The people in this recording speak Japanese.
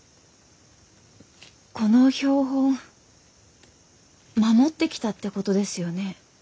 この標本守ってきたってことですよね？